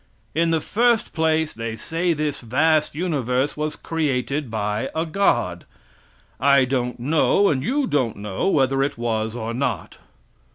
In the first place, they say this vast universe was created by a God. I don't know, and you don't know, whether it was or not.